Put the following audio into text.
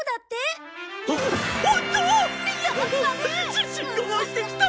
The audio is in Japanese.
自信が湧いてきた！